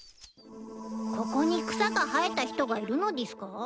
ここに草が生えた人がいるのでぃすか？